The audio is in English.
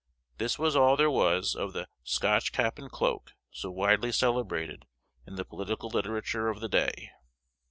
This was all there was of the "Scotch cap and cloak," so widely celebrated in the political literature of the day.